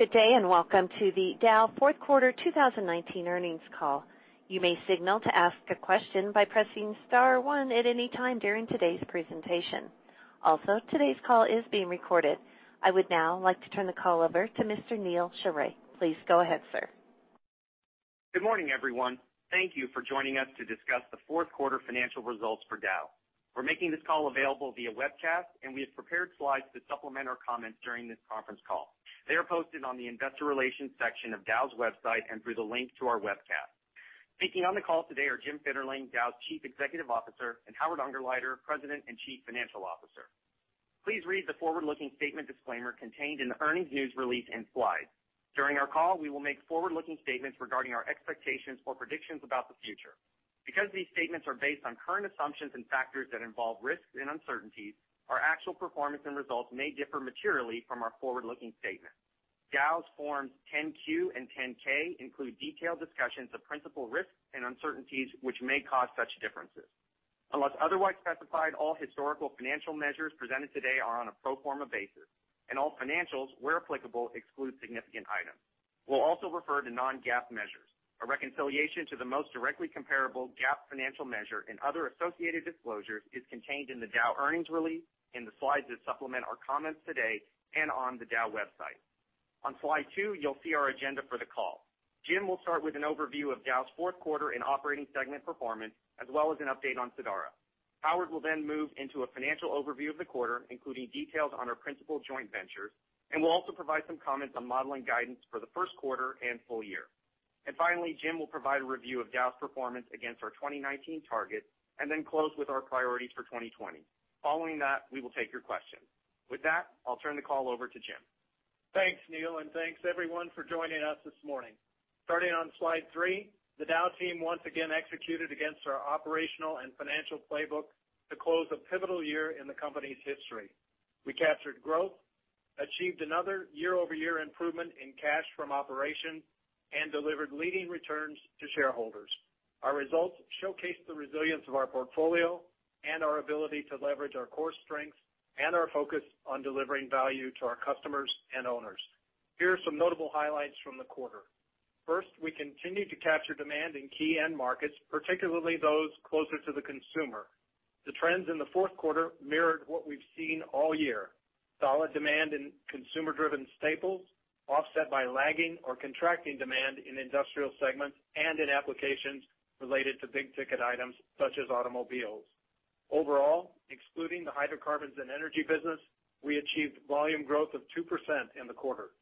Good day, and welcome to the Dow fourth quarter 2019 earnings call. You may signal to ask a question by pressing star one at any time during today's presentation. Also, today's call is being recorded. I would now like to turn the call over to Mr. Neal Sheorey. Please go ahead, sir. Good morning, everyone. Thank you for joining us to discuss the fourth quarter financial results for Dow. We are making this call available via webcast, and we have prepared slides to supplement our comments during this conference call. They are posted on the investor relations section of dow.com and through the link to our webcast. Speaking on the call today are Jim Fitterling, Dow's Chief Executive Officer, and Howard Ungerleider, President and Chief Financial Officer. Please read the forward-looking statement disclaimer contained in the earnings news release and slides. During our call, we will make forward-looking statements regarding our expectations or predictions about the future. Because these statements are based on current assumptions and factors that involve risks and uncertainties, our actual performance and results may differ materially from our forward-looking statements. Dow's Forms 10-Q and 10-K include detailed discussions of principal risks and uncertainties which may cause such differences. Unless otherwise specified, all historical financial measures presented today are on a pro forma basis, and all financials, where applicable, exclude significant items. We'll also refer to non-GAAP measures. A reconciliation to the most directly comparable GAAP financial measure and other associated disclosures is contained in the Dow earnings release, in the slides that supplement our comments today, and on the dow.com. On slide two, you'll see our agenda for the call. Jim will start with an overview of Dow's fourth quarter and operating segment performance, as well as an update on Sadara. Howard will then move into a financial overview of the quarter, including details on our principal joint ventures, and will also provide some comments on modeling guidance for the first quarter and full year. Finally, Jim will provide a review of Dow's performance against our 2019 targets and then close with our priorities for 2020. Following that, we will take your questions. With that, I'll turn the call over to Jim. Thanks, Neal, thanks, everyone, for joining us this morning. Starting on slide three, the Dow team once again executed against our operational and financial playbook to close a pivotal year in the company's history. We captured growth, achieved another year-over-year improvement in cash from operations, and delivered leading returns to shareholders. Our results showcased the resilience of our portfolio and our ability to leverage our core strengths and our focus on delivering value to our customers and owners. Here are some notable highlights from the quarter. First, we continued to capture demand in key end markets, particularly those closer to the consumer. The trends in the fourth quarter mirrored what we've seen all year. Solid demand in consumer-driven staples, offset by lagging or contracting demand in industrial segments and in applications related to big-ticket items such as automobiles. Overall, excluding the Hydrocarbons & Energy business, we achieved volume growth of 2% in the quarter.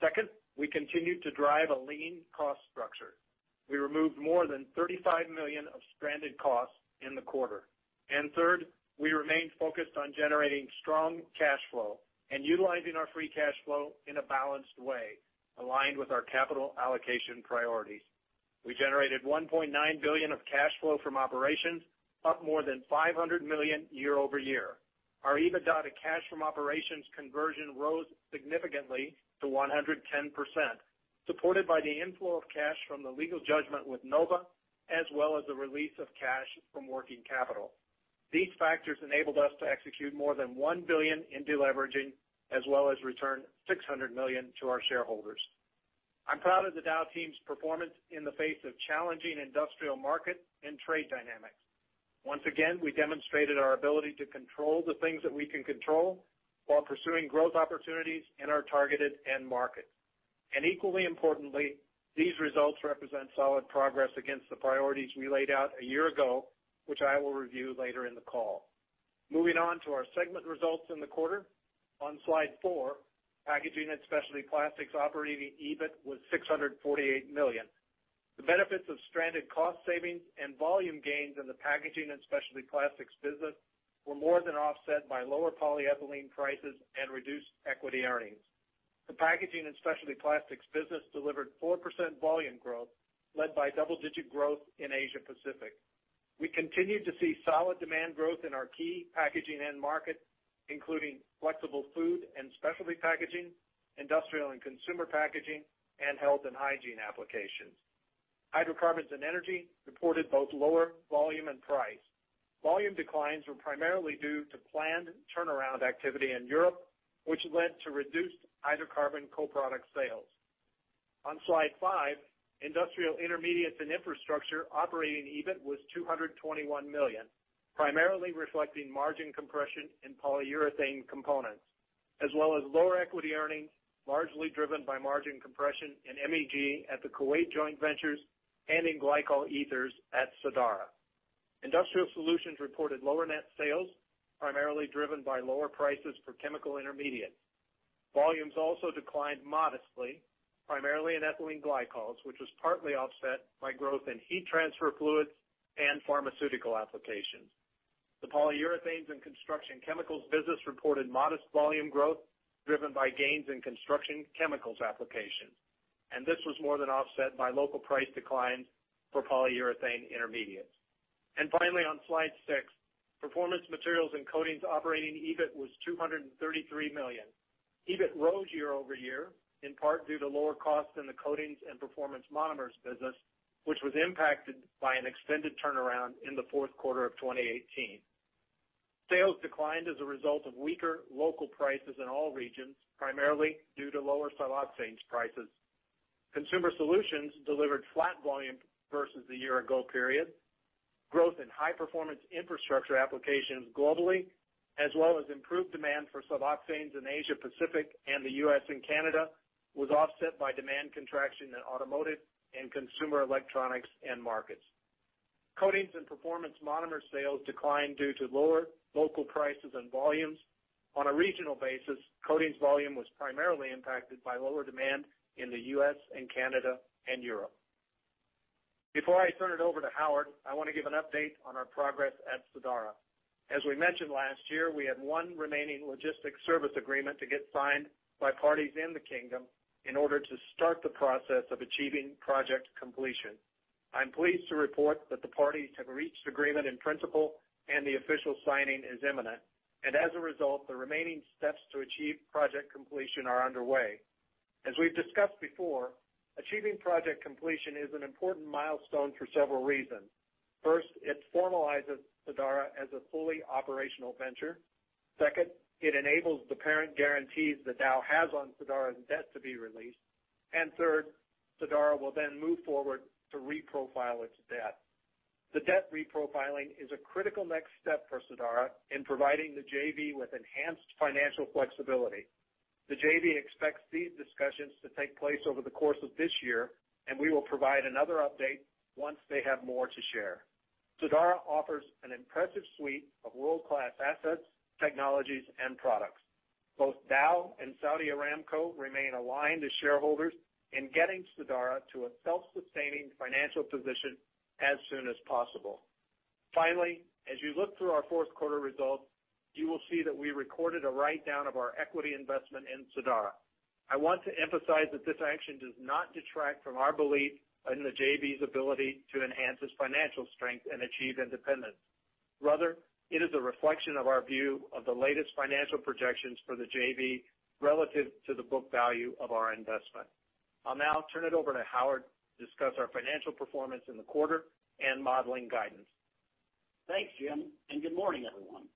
Second, we continued to drive a lean cost structure. We removed more than $35 million of stranded costs in the quarter. Third, we remained focused on generating strong cash flow and utilizing our free cash flow in a balanced way, aligned with our capital allocation priorities. We generated $1.9 billion of cash flow from operations, up more than $500 million year-over-year. Our EBITDA to cash from operations conversion rose significantly to 110%, supported by the inflow of cash from the legal judgment with Nova, as well as the release of cash from working capital. These factors enabled us to execute more than $1 billion in deleveraging, as well as return $600 million to our shareholders. I'm proud of the Dow team's performance in the face of challenging industrial market and trade dynamics. Once again, we demonstrated our ability to control the things that we can control while pursuing growth opportunities in our targeted end markets. Equally importantly, these results represent solid progress against the priorities we laid out a year ago, which I will review later in the call. Moving on to our segment results in the quarter. On slide four, Packaging and Specialty Plastics operating EBIT was $648 million. The benefits of stranded cost savings and volume gains in the Packaging and Specialty Plastics business were more than offset by lower polyethylene prices and reduced equity earnings. The Packaging and Specialty Plastics business delivered 4% volume growth, led by double-digit growth in Asia Pacific. We continued to see solid demand growth in our key packaging end market, including flexible food and specialty packaging, industrial and consumer packaging, and health and hygiene applications. Hydrocarbons and Energy reported both lower volume and price. Volume declines were primarily due to planned turnaround activity in Europe, which led to reduced hydrocarbon co-product sales. On slide five, Industrial Intermediates and Infrastructure operating EBIT was $221 million, primarily reflecting margin compression in polyurethane components, as well as lower equity earnings, largely driven by margin compression in MEG at the Kuwait joint ventures and in glycol ethers at Sadara. Industrial Solutions reported lower net sales, primarily driven by lower prices for chemical intermediates. Volumes also declined modestly, primarily in ethylene glycols, which was partly offset by growth in heat transfer fluids and pharmaceutical applications. The Polyurethanes and Construction Chemicals business reported modest volume growth, driven by gains in construction chemicals application. This was more than offset by local price declines for polyurethane intermediates. Finally, on slide six, Performance Materials & Coatings operating EBIT was $233 million. EBIT rose year-over-year, in part due to lower costs in the Coatings & Performance Monomers business, which was impacted by an extended turnaround in the fourth quarter of 2018. Sales declined as a result of weaker local prices in all regions, primarily due to lower styrenes prices. Consumer Solutions delivered flat volume versus the year ago period. Growth in high-performance infrastructure applications globally, as well as improved demand for styrenes in Asia Pacific and the U.S. and Canada, was offset by demand contraction in automotive and consumer electronics end markets. Coatings & Performance Monomers sales declined due to lower local prices and volumes. On a regional basis, coatings volume was primarily impacted by lower demand in the U.S. and Canada and Europe. Before I turn it over to Howard, I want to give an update on our progress at Sadara. As we mentioned last year, we have one remaining logistics service agreement to get signed by parties in the kingdom in order to start the process of achieving project completion. I'm pleased to report that the parties have reached agreement in principle and the official signing is imminent. As a result, the remaining steps to achieve project completion are underway. As we've discussed before, achieving project completion is an important milestone for several reasons. First, it formalizes Sadara as a fully operational venture. Second, it enables the parent guarantees that Dow has on Sadara's debt to be released. Third, Sadara will then move forward to reprofile its debt. The debt reprofiling is a critical next step for Sadara in providing the JV with enhanced financial flexibility. The JV expects these discussions to take place over the course of this year. We will provide another update once they have more to share. Sadara offers an impressive suite of world-class assets, technologies, and products. Both Dow and Saudi Aramco remain aligned as shareholders in getting Sadara to a self-sustaining financial position as soon as possible. Finally, as you look through our fourth quarter results, you will see that we recorded a write-down of our equity investment in Sadara. I want to emphasize that this action does not detract from our belief in the JV's ability to enhance its financial strength and achieve independence. Rather, it is a reflection of our view of the latest financial projections for the JV relative to the book value of our investment. I'll now turn it over to Howard to discuss our financial performance in the quarter and modeling guidance. Thanks, Jim, and good morning, everyone.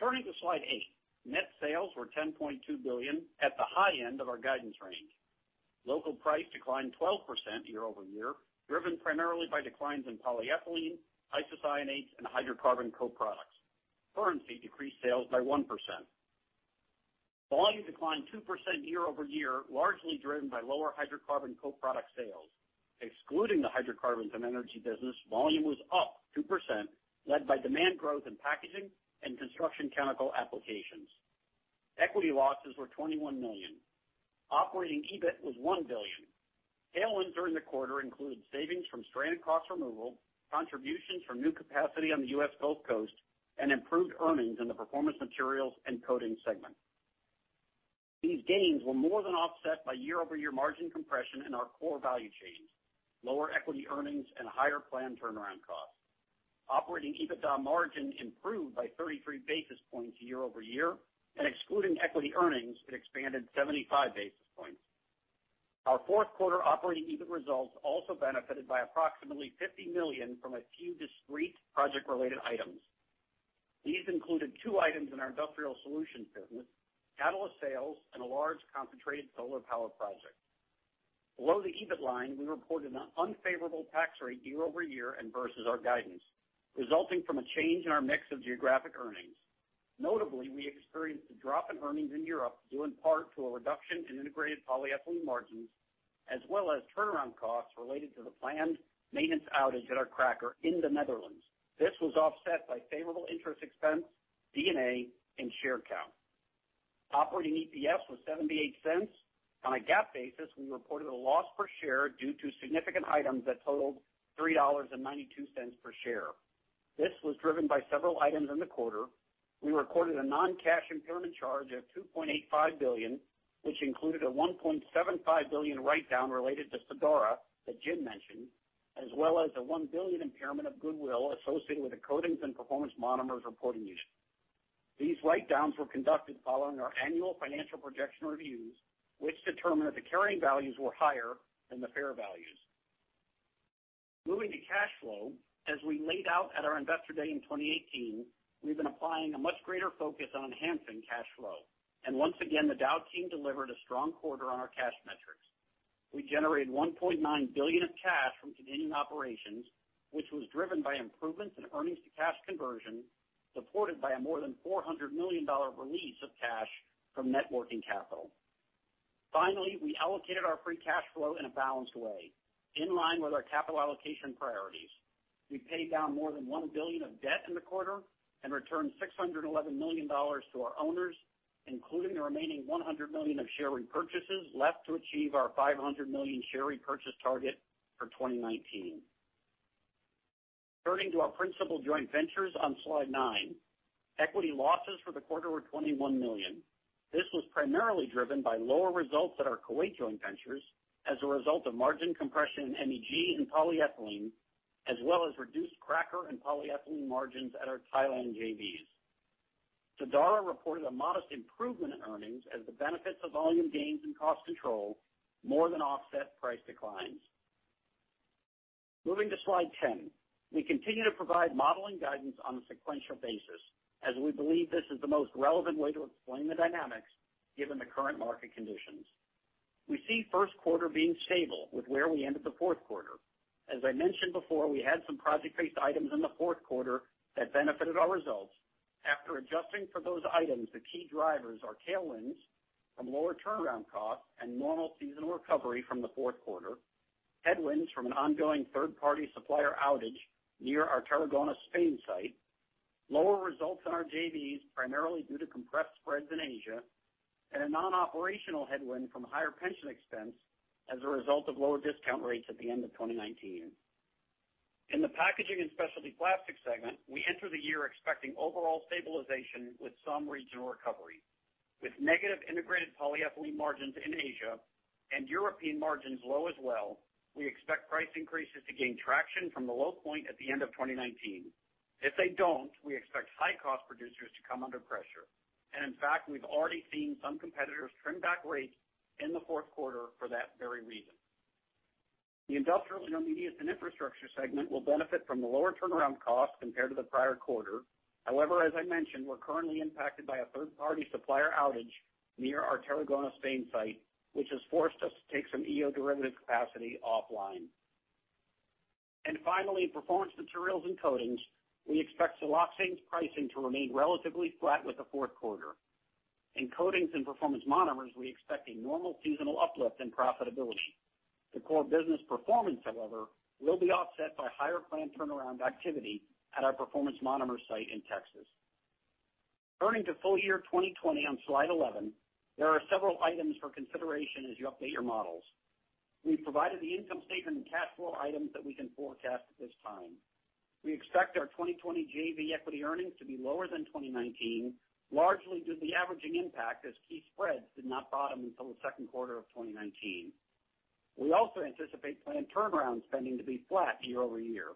Turning to slide eight, net sales were $10.2 billion at the high end of our guidance range. Local price declined 12% year-over-year, driven primarily by declines in polyethylene, isocyanates, and hydrocarbon co-products. Currency decreased sales by 1%. Volume declined 2% year-over-year, largely driven by lower hydrocarbon co-product sales. Excluding the Hydrocarbons & Energy business, volume was up 2%, led by demand growth in packaging and construction chemical applications. Equity losses were $21 million. Operating EBIT was $1 billion. Tailwinds during the quarter included savings from stranded cost removal, contributions from new capacity on the U.S. Gulf Coast, and improved earnings in the Performance Materials & Coatings segment. These gains were more than offset by year-over-year margin compression in our core value chains, lower equity earnings, and higher planned turnaround costs. Operating EBITDA margin improved by 33 basis points year-over-year, and excluding equity earnings, it expanded 75 basis points. Our fourth quarter operating EBIT results also benefited by approximately $50 million from a few discrete project-related items. These included two items in our Industrial Solutions business, catalyst sales, and a large concentrated solar power project. Below the EBIT line, we reported an unfavorable tax rate year-over-year and versus our guidance, resulting from a change in our mix of geographic earnings. Notably, we experienced a drop in earnings in Europe due in part to a reduction in integrated polyethylene margins, as well as turnaround costs related to the planned maintenance outage at our cracker in the Netherlands. This was offset by favorable interest expense, D&A, and share count. Operating EPS was $0.78. On a GAAP basis, we reported a loss per share due to significant items that totaled $3.92 per share. This was driven by several items in the quarter. We recorded a non-cash impairment charge of $2.85 billion, which included a $1.75 billion write-down related to Sadara that Jim mentioned, as well as a $1 billion impairment of goodwill associated with the Coatings & Performance Monomers reporting unit. These write-downs were conducted following our annual financial projection reviews, which determined that the carrying values were higher than the fair values. Moving to cash flow, as we laid out at our Investor Day in 2018, we've been applying a much greater focus on enhancing cash flow. Once again, the Dow team delivered a strong quarter on our cash metrics. We generated $1.9 billion of cash from continuing operations, which was driven by improvements in earnings to cash conversion, supported by a more than $400 million release of cash from net working capital. Finally, we allocated our free cash flow in a balanced way, in line with our capital allocation priorities. We paid down more than $1 billion of debt in the quarter and returned $611 million to our owners, including the remaining $100 million of share repurchases left to achieve our $500 million share repurchase target for 2019. Turning to our principal joint ventures on slide nine. Equity losses for the quarter were $21 million. This was primarily driven by lower results at our Kuwait joint ventures as a result of margin compression in MEG and polyethylene, as well as reduced cracker and polyethylene margins at our Thailand JVs. Sadara reported a modest improvement in earnings as the benefits of volume gains and cost control more than offset price declines. Moving to slide 10. We continue to provide modeling guidance on a sequential basis as we believe this is the most relevant way to explain the dynamics given the current market conditions. We see first quarter being stable with where we ended the fourth quarter. As I mentioned before, we had some project-based items in the fourth quarter that benefited our results. After adjusting for those items, the key drivers are tailwinds from lower turnaround costs and normal seasonal recovery from the fourth quarter, headwinds from an ongoing third-party supplier outage near our Tarragona, Spain site, lower results in our JVs primarily due to compressed spreads in Asia, and a non-operational headwind from higher pension expense as a result of lower discount rates at the end of 2019. In the Packaging & Specialty Plastics segment, we enter the year expecting overall stabilization with some regional recovery. With negative integrated polyethylene margins in Asia and European margins low as well, we expect price increases to gain traction from the low point at the end of 2019. In fact, we've already seen some competitors trim back rates in the fourth quarter for that very reason. The Industrial Intermediates & Infrastructure segment will benefit from the lower turnaround costs compared to the prior quarter. However, as I mentioned, we're currently impacted by a third-party supplier outage near our Tarragona, Spain site, which has forced us to take some EO derivative capacity offline. Finally, in Performance Materials & Coatings, we expect siloxanes pricing to remain relatively flat with the fourth quarter. In Coatings & Performance Monomers, we expect a normal seasonal uplift in profitability. The core business performance, however, will be offset by higher planned turnaround activity at our Performance Monomers site in Texas. Turning to full year 2020 on slide 11, there are several items for consideration as you update your models. We've provided the income statement and cash flow items that we can forecast at this time. We expect our 2020 JV equity earnings to be lower than 2019, largely due to the averaging impact as key spreads did not bottom until the second quarter of 2019. We also anticipate planned turnaround spending to be flat year-over-year.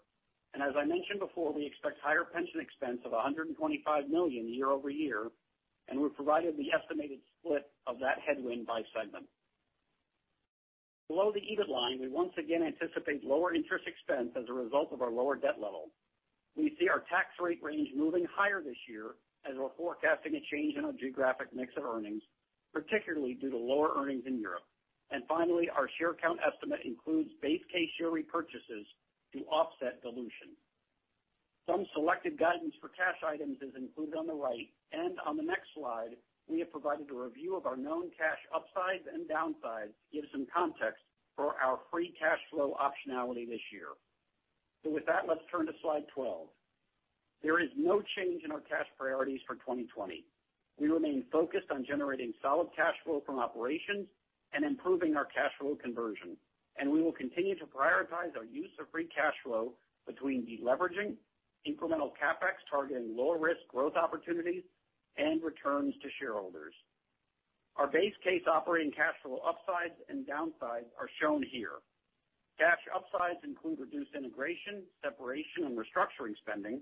As I mentioned before, we expect higher pension expense of $125 million year-over-year, and we've provided the estimated split of that headwind by segment. Below the EBIT line, we once again anticipate lower interest expense as a result of our lower debt level. We see our tax rate range moving higher this year as we're forecasting a change in our geographic mix of earnings, particularly due to lower earnings in Europe. Finally, our share count estimate includes base case share repurchases to offset dilution. Some selected guidance for cash items is included on the right. On the next slide, we have provided a review of our known cash upsides and downsides to give some context for our free cash flow optionality this year. With that, let's turn to slide 12. There is no change in our cash priorities for 2020. We remain focused on generating solid cash flow from operations and improving our cash flow conversion, and we will continue to prioritize our use of free cash flow between deleveraging, incremental CapEx targeting lower risk growth opportunities, and returns to shareholders. Our base case operating cash flow upsides and downsides are shown here. Cash upsides include reduced integration, separation, and restructuring spending,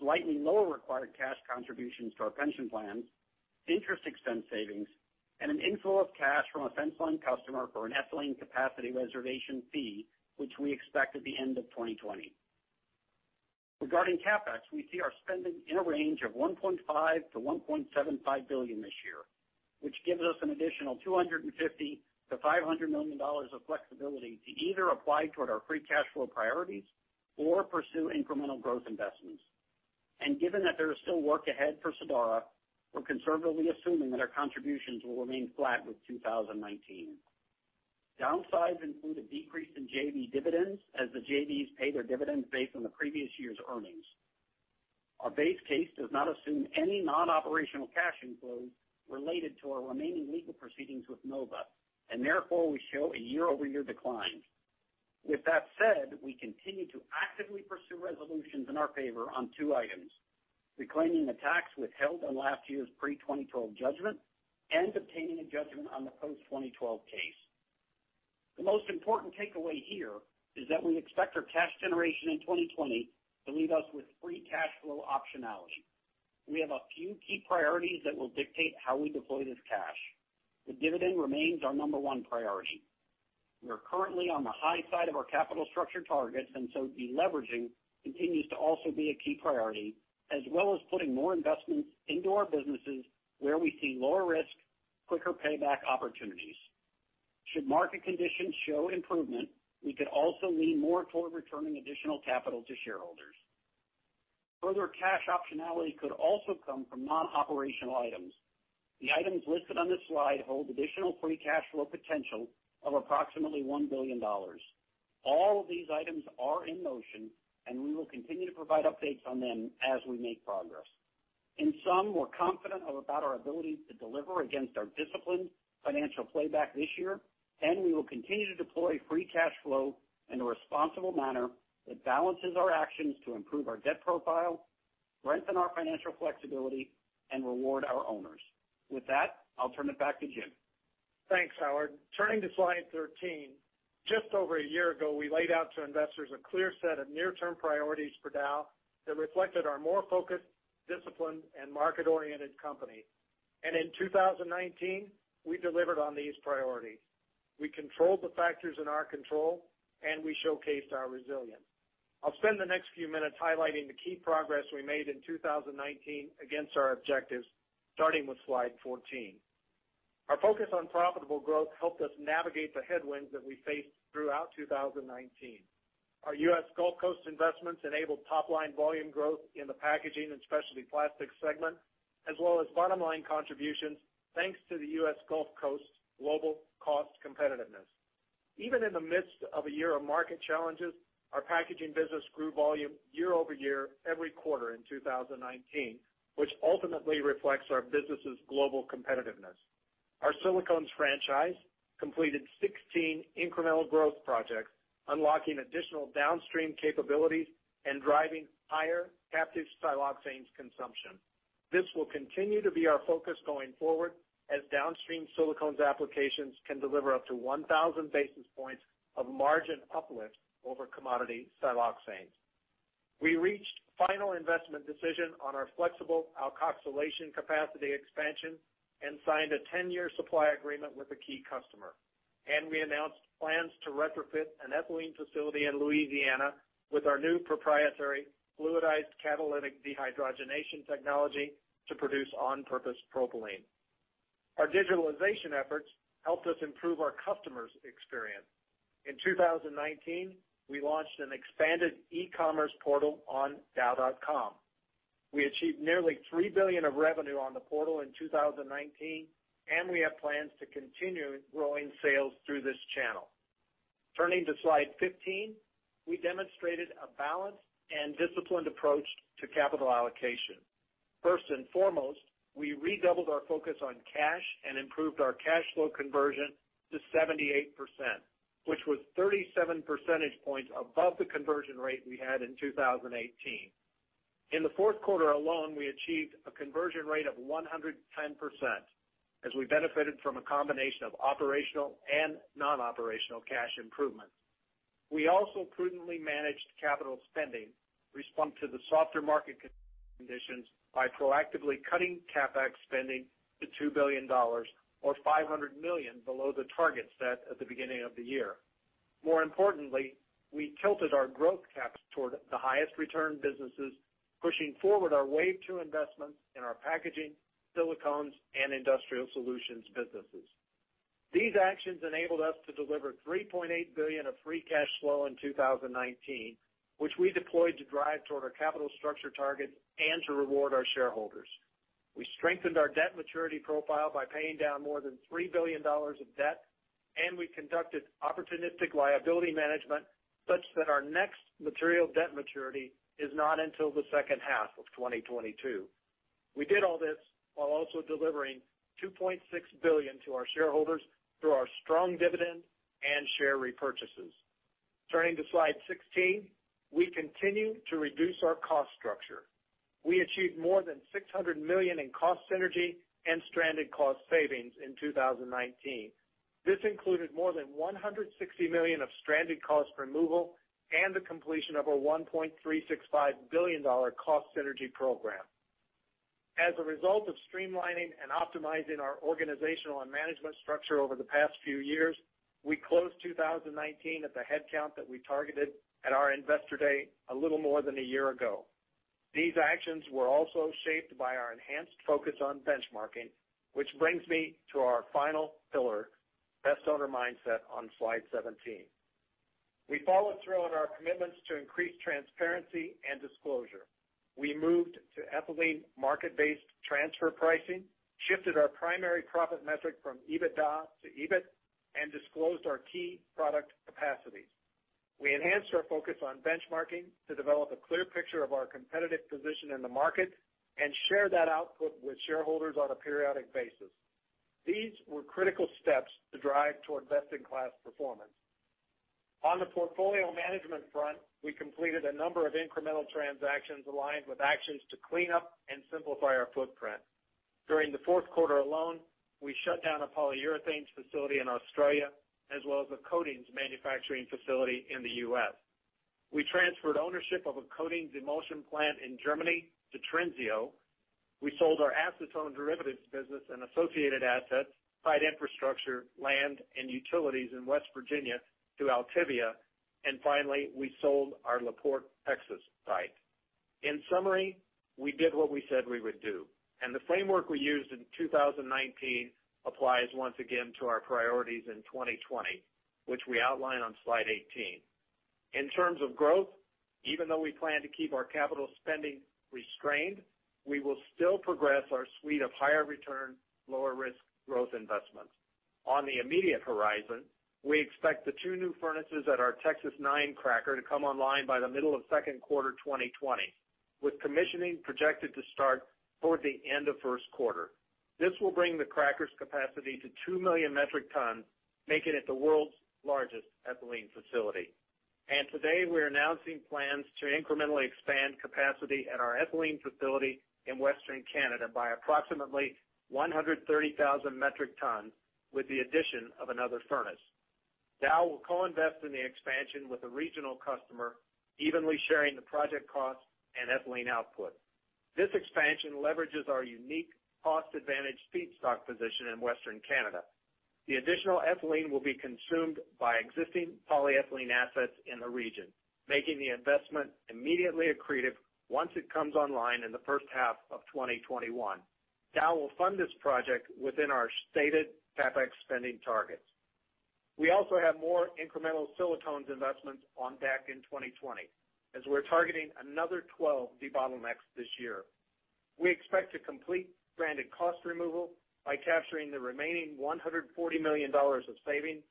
slightly lower required cash contributions to our pension plans, interest expense savings, and an inflow of cash from a fence line customer for an ethylene capacity reservation fee, which we expect at the end of 2020. Regarding CapEx, we see our spending in a range of $1.5 billion-$1.75 billion this year, which gives us an additional $250 million-$500 million of flexibility to either apply toward our free cash flow priorities or pursue incremental growth investments. Given that there is still work ahead for Sadara, we're conservatively assuming that our contributions will remain flat with 2019. Downsides include a decrease in JV dividends as the JVs pay their dividends based on the previous year's earnings. Our base case does not assume any non-operational cash inflows related to our remaining legal proceedings with Nova, and therefore we show a year-over-year decline. With that said, we continue to actively pursue resolutions in our favor on two items, reclaiming the tax withheld on last year's pre-2012 judgment and obtaining a judgment on the post-2012 case. The most important takeaway here is that we expect our cash generation in 2020 to leave us with free cash flow optionality. We have a few key priorities that will dictate how we deploy this cash. The dividend remains our number one priority. We are currently on the high side of our capital structure targets, and so deleveraging continues to also be a key priority, as well as putting more investments into our businesses where we see lower risk, quicker payback opportunities. Should market conditions show improvement, we could also lean more toward returning additional capital to shareholders. Further cash optionality could also come from non-operational items. The items listed on this slide hold additional free cash flow potential of approximately $1 billion. All of these items are in motion, and we will continue to provide updates on them as we make progress. In sum, we're confident about our ability to deliver against our disciplined financial playbook this year, and we will continue to deploy free cash flow in a responsible manner that balances our actions to improve our debt profile, strengthen our financial flexibility, and reward our owners. With that, I'll turn it back to Jim. Thanks, Howard. Turning to slide 13. Just over a year ago, we laid out to investors a clear set of near-term priorities for Dow that reflected our more focused, disciplined, and market-oriented company. In 2019, we delivered on these priorities. We controlled the factors in our control, and we showcased our resilience. I'll spend the next few minutes highlighting the key progress we made in 2019 against our objectives, starting with slide 14. Our focus on profitable growth helped us navigate the headwinds that we faced throughout 2019. Our U.S. Gulf Coast investments enabled top-line volume growth in the Packaging and Specialty Plastics segment, as well as bottom-line contributions, thanks to the U.S. Gulf Coast's global cost competitiveness. Even in the midst of a year of market challenges, our packaging business grew volume year-over-year every quarter in 2019, which ultimately reflects our business' global competitiveness. Our silicones franchise completed 16 incremental growth projects, unlocking additional downstream capabilities and driving higher captive siloxanes consumption. This will continue to be our focus going forward, as downstream silicones applications can deliver up to 1,000 basis points of margin uplift over commodity siloxanes. We reached final investment decision on our flexible alkoxylation capacity expansion and signed a 10-year supply agreement with a key customer. We announced plans to retrofit an ethylene facility in Louisiana with our new proprietary fluidized catalytic dehydrogenation technology to produce on-purpose propylene. Our digitalization efforts helped us improve our customers' experience. In 2019, we launched an expanded e-commerce portal on dow.com. We achieved nearly $3 billion of revenue on the portal in 2019, we have plans to continue growing sales through this channel. Turning to slide 15, we demonstrated a balanced and disciplined approach to capital allocation. First and foremost, we redoubled our focus on cash and improved our cash flow conversion to 78%, which was 37 percentage points above the conversion rate we had in 2018. In the fourth quarter alone, we achieved a conversion rate of 110% as we benefited from a combination of operational and non-operational cash improvements. We also prudently managed capital spending, respond to the softer market conditions by proactively cutting CapEx spending to $2 billion, or $500 million below the target set at the beginning of the year. More importantly, we tilted our growth caps toward the highest return businesses, pushing forward our wave two investments in our packaging, silicones, and Industrial Solutions businesses. These actions enabled us to deliver $3.8 billion of free cash flow in 2019, which we deployed to drive toward our capital structure targets and to reward our shareholders. We strengthened our debt maturity profile by paying down more than $3 billion of debt, and we conducted opportunistic liability management such that our next material debt maturity is not until the second half of 2022. We did all this while also delivering $2.6 billion to our shareholders through our strong dividend and share repurchases. Turning to slide 16, we continue to reduce our cost structure. We achieved more than $600 million in cost synergy and stranded cost savings in 2019. This included more than $160 million of stranded cost removal and the completion of a $1.365 billion cost synergy program. As a result of streamlining and optimizing our organizational and management structure over the past few years, we closed 2019 at the headcount that we targeted at our investor day a little more than a year ago. These actions were also shaped by our enhanced focus on benchmarking, which brings me to our final pillar, best owner mindset, on slide 17. We followed through on our commitments to increase transparency and disclosure. We moved to ethylene market-based transfer pricing, shifted our primary profit metric from EBITDA to EBIT, and disclosed our key product capacities. We enhanced our focus on benchmarking to develop a clear picture of our competitive position in the market and share that output with shareholders on a periodic basis. These were critical steps to drive toward best-in-class performance. On the portfolio management front, we completed a number of incremental transactions aligned with actions to clean up and simplify our footprint. During the fourth quarter alone, we shut down a polyurethanes facility in Australia, as well as a coatings manufacturing facility in the U.S. We transferred ownership of a coatings emulsion plant in Germany to Trinseo. We sold our acetone derivatives business and associated assets, site infrastructure, land, and utilities in West Virginia to ALTIVIA. Finally, we sold our La Porte, Texas site. Summary, we did what we said we would do, and the framework we used in 2019 applies once again to our priorities in 2020, which we outline on slide 18. Terms of growth, even though we plan to keep our capital spending restrained, we will still progress our suite of higher return, lower risk growth investments. On the immediate horizon, we expect the two new furnaces at our Texas-9 cracker to come online by the middle of second quarter 2020, with commissioning projected to start toward the end of first quarter. This will bring the cracker's capacity to 2 million metric tons, making it the world's largest ethylene facility. Today, we're announcing plans to incrementally expand capacity at our ethylene facility in Western Canada by approximately 130,000 metric tons with the addition of another furnace. Dow will co-invest in the expansion with a regional customer, evenly sharing the project cost and ethylene output. This expansion leverages our unique cost advantage feedstock position in Western Canada. The additional ethylene will be consumed by existing polyethylene assets in the region, making the investment immediately accretive once it comes online in the first half of 2021. Dow will fund this project within our stated CapEx spending targets. We also have more incremental silicones investments on deck in 2020, as we're targeting another 12 debottlenecks this year. We expect to complete stranded cost removal by capturing the remaining $140 million of saving.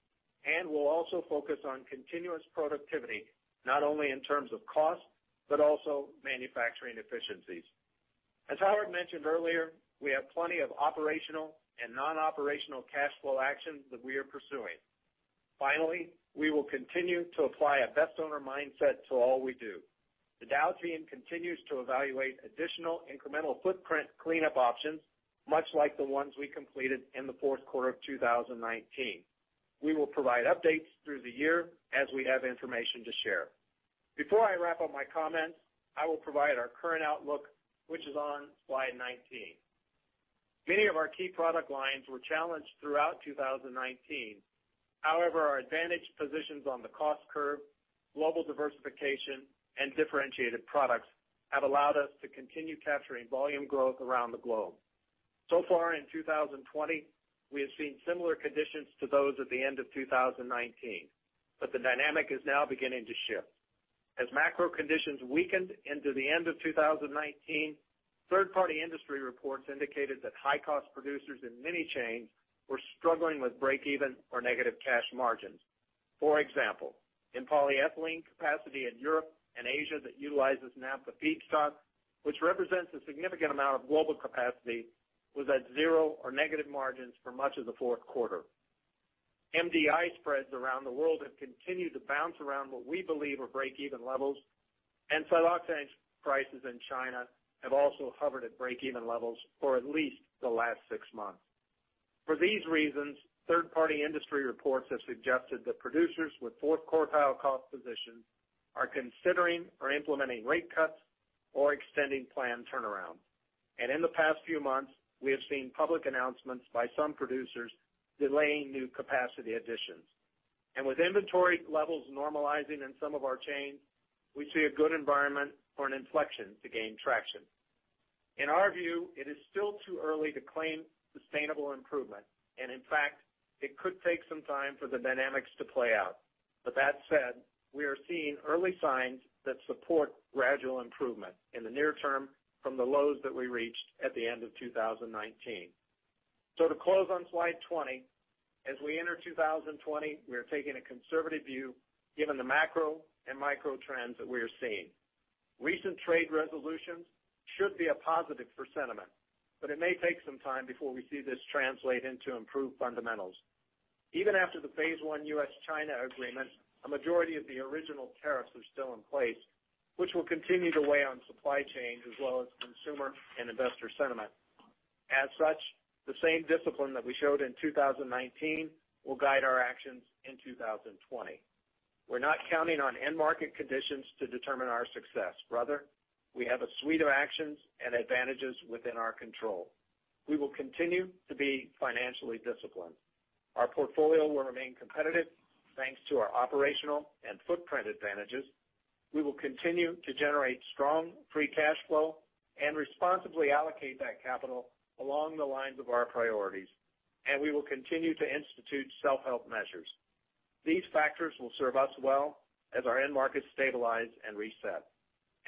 We'll also focus on continuous productivity, not only in terms of cost, but also manufacturing efficiencies. As Howard mentioned earlier, we have plenty of operational and non-operational cash flow actions that we are pursuing. Finally, we will continue to apply a best owner mindset to all we do. The Dow team continues to evaluate additional incremental footprint cleanup options, much like the ones we completed in the fourth quarter of 2019. We will provide updates through the year as we have information to share. Before I wrap up my comments, I will provide our current outlook, which is on slide 19. Many of our key product lines were challenged throughout 2019. Our advantage positions on the cost curve, global diversification, and differentiated products have allowed us to continue capturing volume growth around the globe. Far in 2020, we have seen similar conditions to those at the end of 2019, the dynamic is now beginning to shift. As macro conditions weakened into the end of 2019, third-party industry reports indicated that high-cost producers in many chains were struggling with break even or negative cash margins. In polyethylene capacity in Europe and Asia that utilizes naphtha feedstock, which represents a significant amount of global capacity, was at zero or negative margins for much of the fourth quarter. MDI spreads around the world have continued to bounce around what we believe are break-even levels, and siloxane prices in China have also hovered at break-even levels for at least the last six months. For these reasons, third-party industry reports have suggested that producers with fourth quartile cost positions are considering or implementing rate cuts or extending planned turnarounds. In the past few months, we have seen public announcements by some producers delaying new capacity additions. With inventory levels normalizing in some of our chains, we see a good environment for an inflection to gain traction. In our view, it is still too early to claim sustainable improvement, and in fact, it could take some time for the dynamics to play out. That said, we are seeing early signs that support gradual improvement in the near term from the lows that we reached at the end of 2019. To close on slide 20, as we enter 2020, we are taking a conservative view given the macro and micro trends that we are seeing. Recent trade resolutions should be a positive for sentiment, but it may take some time before we see this translate into improved fundamentals. Even after the phase one US-China agreement, a majority of the original tariffs are still in place, which will continue to weigh on supply chains as well as consumer and investor sentiment. As such, the same discipline that we showed in 2019 will guide our actions in 2020. We're not counting on end market conditions to determine our success. Rather, we have a suite of actions and advantages within our control. We will continue to be financially disciplined. Our portfolio will remain competitive thanks to our operational and footprint advantages. We will continue to generate strong free cash flow and responsibly allocate that capital along the lines of our priorities, and we will continue to institute self-help measures. These factors will serve us well as our end markets stabilize and reset.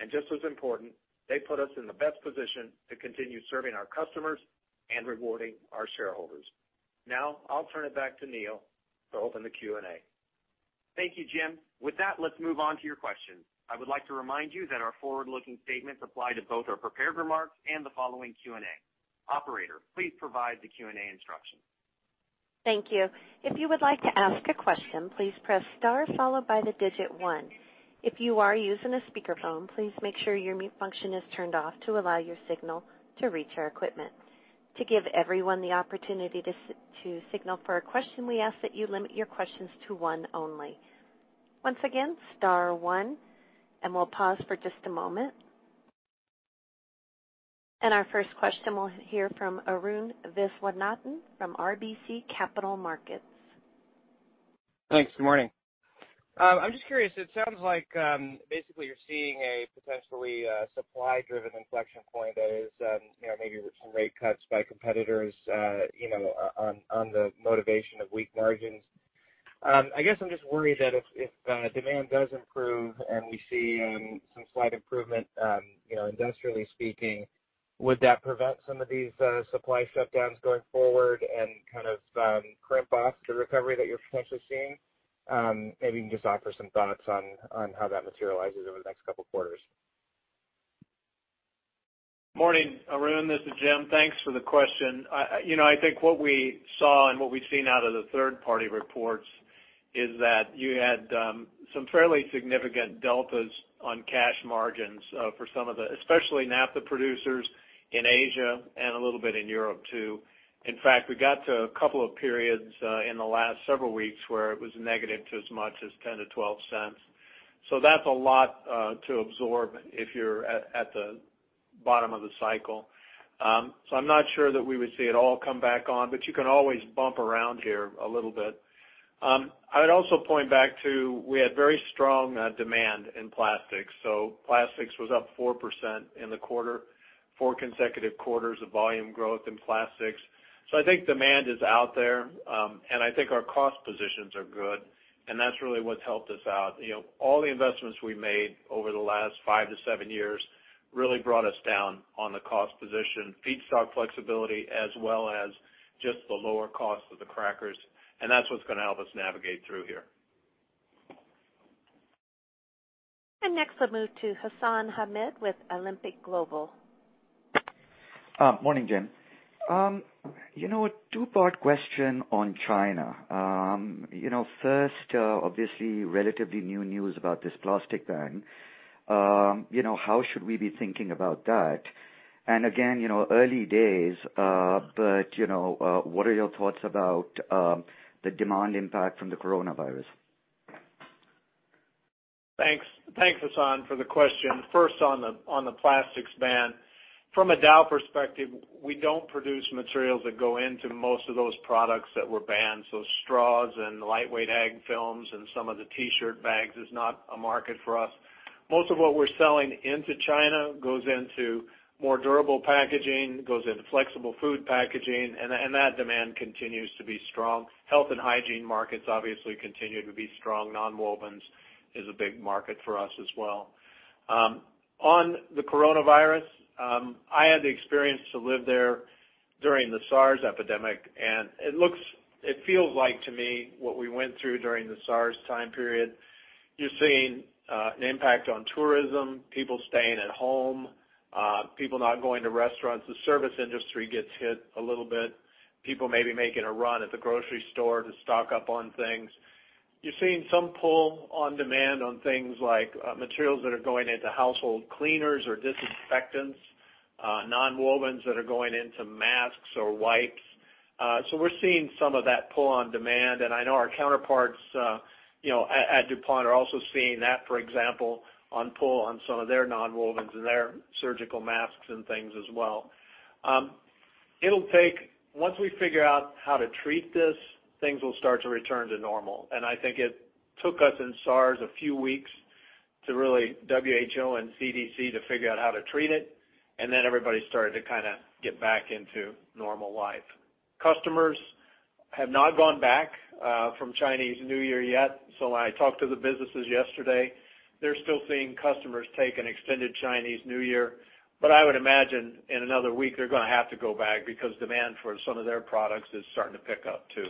Just as important, they put us in the best position to continue serving our customers and rewarding our shareholders. Now, I'll turn it back to Neal to open the Q&A. Thank you, Jim. With that, let's move on to your questions. I would like to remind you that our forward-looking statements apply to both our prepared remarks and the following Q&A. Operator, please provide the Q&A instructions. Thank you. If you would like to ask a question, please press star followed by the digit one. If you are using a speakerphone, please make sure your mute function is turned off to allow your signal to reach our equipment. To give everyone the opportunity to signal for a question, we ask that you limit your questions to one only. Once again, star one, and we'll pause for just a moment. Our first question, we'll hear from Arun Viswanathan from RBC Capital Markets. Thanks. Good morning. I'm just curious, it sounds like basically you're seeing a potentially supply-driven inflection point that is maybe some rate cuts by competitors on the motivation of weak margins. I guess I'm just worried that if demand does improve and we see some slight improvement industrially speaking, would that prevent some of these supply shutdowns going forward and kind of crimp off the recovery that you're potentially seeing? Maybe you can just offer some thoughts on how that materializes over the next couple of quarters. Morning, Arun. This is Jim. Thanks for the question. I think what we saw and what we've seen out of the third-party reports is that you had some fairly significant deltas on cash margins for some of the, especially naphtha producers in Asia and a little bit in Europe too. In fact, we got to a couple of periods in the last several weeks where it was negative to as much as $0.10-$0.12. That's a lot to absorb if you're at the bottom of the cycle. I'm not sure that we would see it all come back on, but you can always bump around here a little bit. I would also point back to, we had very strong demand in plastics. Plastics was up 4% in the quarter, four consecutive quarters of volume growth in plastics. I think demand is out there. I think our cost positions are good, and that's really what's helped us out. All the investments we made over the last five to seven years really brought us down on the cost position, feedstock flexibility, as well as just the lower cost of the crackers, and that's what's going to help us navigate through here. Next we'll move to Hassan Ahmed with Alembic Global Advisors. Morning, Jim. A two-part question on China. Obviously, relatively new news about this plastic ban. How should we be thinking about that? Again, early days, but what are your thoughts about the demand impact from the coronavirus? Thanks, Hassan, for the question. First, on the plastics ban. From a Dow perspective, we don't produce materials that go into most of those products that were banned. Straws and lightweight ag films and some of the T-shirt bags is not a market for us. Most of what we're selling into China goes into more durable packaging, goes into flexible food packaging, and that demand continues to be strong. Health and hygiene markets obviously continue to be strong. Nonwovens is a big market for us as well. On the coronavirus, I had the experience to live there during the SARS epidemic, and it feels like, to me, what we went through during the SARS time period. You're seeing an impact on tourism, people staying at home, people not going to restaurants. The service industry gets hit a little bit. People may be making a run at the grocery store to stock up on things. You're seeing some pull on demand on things like materials that are going into household cleaners or disinfectants, nonwovens that are going into masks or wipes. We're seeing some of that pull on demand, and I know our counterparts at DuPont are also seeing that, for example, on pull on some of their nonwovens and their surgical masks and things as well. Once we figure out how to treat this, things will start to return to normal, and I think it took us in SARS a few weeks to really, WHO and CDC, to figure out how to treat it, and then everybody started to kind of get back into normal life. Customers have not gone back from Chinese New Year yet. When I talked to the businesses yesterday, they're still seeing customers take an extended Chinese New Year. I would imagine in another week, they're going to have to go back because demand for some of their products is starting to pick up, too.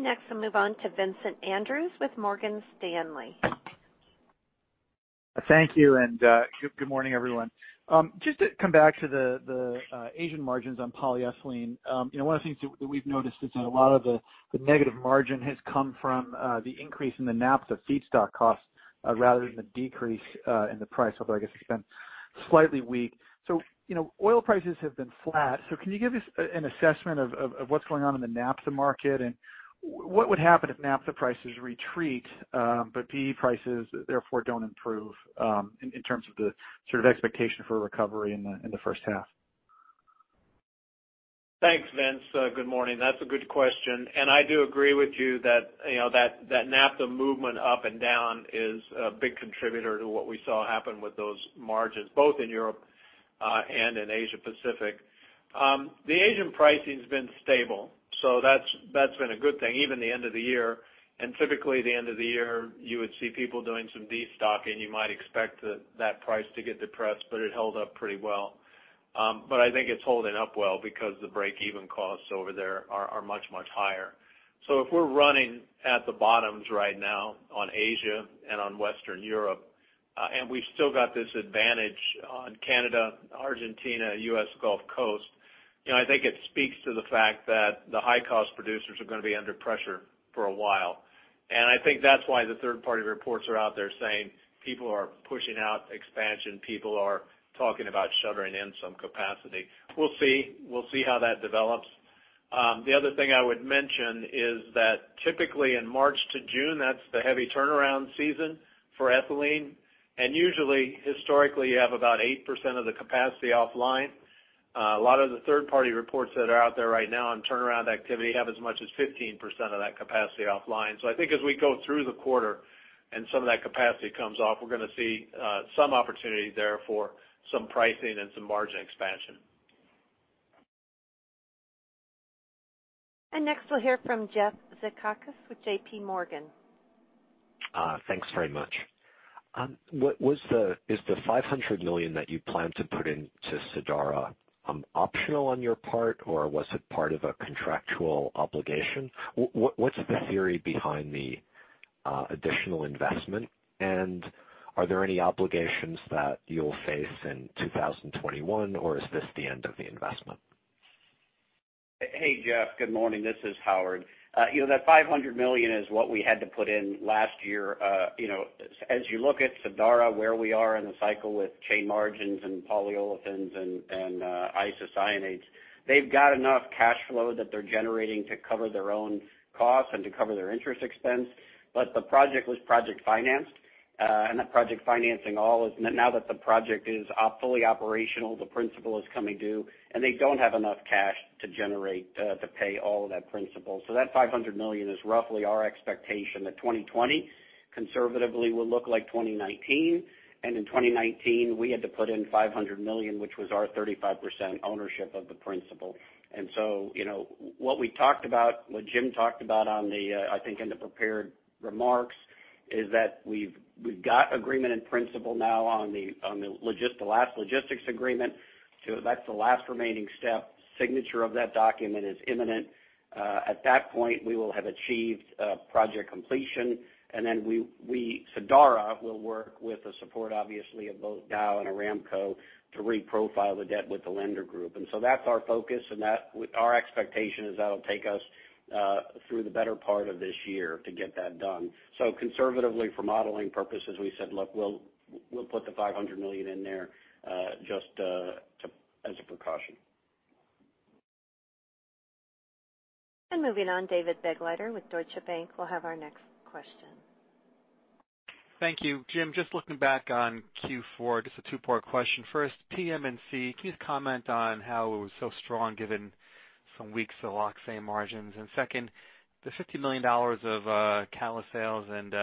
Next we'll move on to Vincent Andrews with Morgan Stanley. Thank you, and good morning, everyone. Just to come back to the Asian margins on polyethylene. One of the things that we've noticed is that a lot of the negative margin has come from the increase in the naphtha feedstock costs rather than the decrease in the price, although I guess it's been slightly weak. Oil prices have been flat. Can you give us an assessment of what's going on in the naphtha market, and what would happen if naphtha prices retreat, but PE prices therefore don't improve in terms of the sort of expectation for recovery in the first half? Thanks, Vince. Good morning. That's a good question. I do agree with you that naphtha movement up and down is a big contributor to what we saw happen with those margins, both in Europe and in Asia Pacific. The Asian pricing's been stable, so that's been a good thing, even the end of the year. Typically, the end of the year, you would see people doing some destocking. You might expect that price to get depressed, but it held up pretty well. I think it's holding up well because the break-even costs over there are much, much higher. If we're running at the bottoms right now on Asia and on Western Europe, and we've still got this advantage on Canada, Argentina, U.S. Gulf Coast, I think it speaks to the fact that the high-cost producers are going to be under pressure for a while. I think that's why the third-party reports are out there saying people are pushing out expansion, people are talking about shuttering in some capacity. We'll see how that develops. The other thing I would mention is that typically in March to June, that's the heavy turnaround season for ethylene, and usually, historically, you have about 8% of the capacity offline. A lot of the third-party reports that are out there right now on turnaround activity have as much as 15% of that capacity offline. I think as we go through the quarter and some of that capacity comes off, we're going to see some opportunity there for some pricing and some margin expansion. Next we'll hear from Jeff Zekauskas with J.P. Morgan. Thanks very much. Is the $500 million that you plan to put into Sadara optional on your part, or was it part of a contractual obligation? What's the theory behind the additional investment? Are there any obligations that you'll face in 2021, or is this the end of the investment? Hey, Jeff. Good morning. This is Howard. That $500 million is what we had to put in last year. As you look at Sadara, where we are in the cycle with chain margins and polyolefins and isocyanates, they've got enough cash flow that they're generating to cover their own costs and to cover their interest expense. The project was project financed, and that project financing. Now that the project is fully operational, the principal is coming due, and they don't have enough cash to generate to pay all of that principal. That $500 million is roughly our expectation that 2020 conservatively will look like 2019. In 2019, we had to put in $500 million, which was our 35% ownership of the principal. What we talked about, what Jim talked about, I think in the prepared remarks, is that we've got agreement in principle now on the last logistics agreement. That's the last remaining step. Signature of that document is imminent. At that point, we will have achieved project completion, and then Sadara will work with the support, obviously, of both Dow and Aramco to re-profile the debt with the lender group. That's our focus, and our expectation is that'll take us through the better part of this year to get that done. Conservatively, for modeling purposes, we said, "Look, we'll put the $500 million in there just as a precaution. Moving on, David Begleiter with Deutsche Bank will have our next question. Thank you. Jim, just looking back on Q4, just a two-part question. First, PM&C, can you comment on how it was so strong given some weak siloxane margins? Second, the $50 million of catalyst sales and